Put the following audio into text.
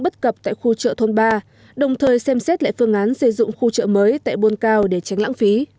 tại khu chợ tiền tỷ tại thôn ba